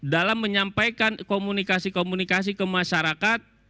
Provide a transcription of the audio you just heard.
dalam menyampaikan komunikasi komunikasi ke masyarakat